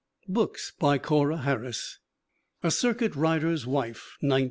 " BOOKS BY CORRA HARRIS A Circuit Rider's Wife, 1910.